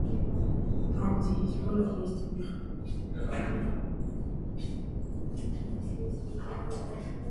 Там, где есть воля, есть и выход.